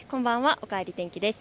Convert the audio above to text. おかえり天気です。